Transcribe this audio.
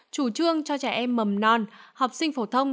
chủ trương cho trẻ em mầm non học sinh phổ thông